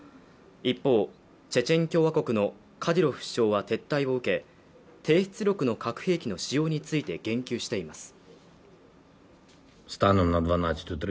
一方、チェチェン共和国のカディロフ首長は撤退を受け、低出力の核の使用について言及しています。